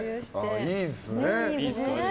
いいですね。